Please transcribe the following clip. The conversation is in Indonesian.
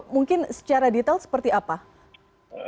mungkin secara detail seperti apa